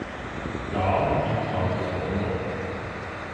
Dan in Taekwondo.